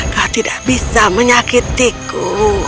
kau tidak bisa menyakitiku